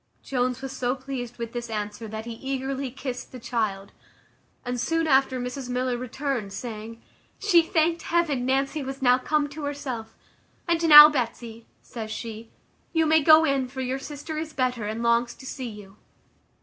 Jones was so pleased with this answer, that he eagerly kissed the child; and soon after Mrs Miller returned, saying, "She thanked heaven Nancy was now come to herself. And now, Betsy," says she, "you may go in, for your sister is better, and longs to see you."